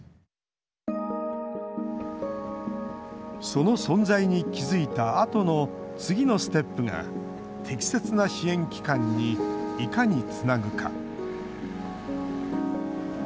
その存在に気づいたあとの次のステップが適切な支援機関にいかにつなぐか。